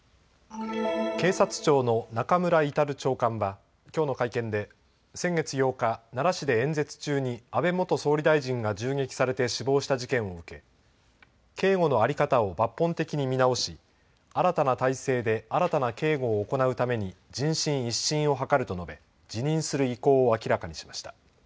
警察庁の中村格長官はきょうの会見で先月８日、奈良市で演説中に安倍元総理大臣が銃撃されて死亡した事件を受け、警護の在り方を抜本的に見直し新たな体制で新たな警護を行うために人心一新を図ると述べ辞任する意向を明らかにしました。